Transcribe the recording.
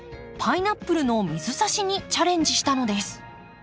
パイナップルの水さしにチャレンジしたのです。